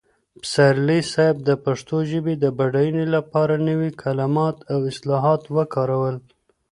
پسرلي صاحب د پښتو ژبې د بډاینې لپاره نوي کلمات او اصطلاحات وکارول.